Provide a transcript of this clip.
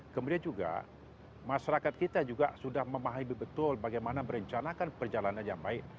kemudian juga masyarakat kita juga sudah memahami betul bagaimana merencanakan perjalanan yang baik